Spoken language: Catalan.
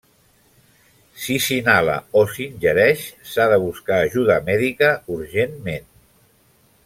Si s'inhala o s'ingereix s'ha de buscar ajuda mèdica urgentment.